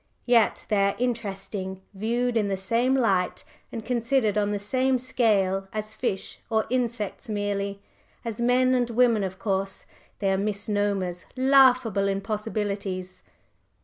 Yet they are interesting, viewed in the same light and considered on the same scale as fish or insects merely. As men and women of course they are misnomers, laughable impossibilities.